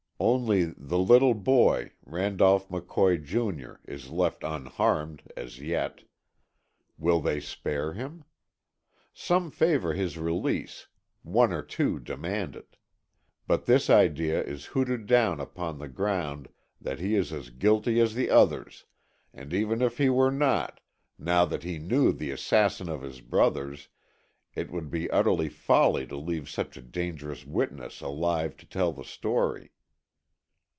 Only the little boy, Randolph McCoy, Jr., is left unharmed, as yet. Will they spare him? Some favor his release, one or two demand it. But this idea is hooted down upon the ground that he is as guilty as the others, and even if he were not, now that he knew the assassins of his brothers, it would be utter folly to leave such a dangerous witness alive to tell the story.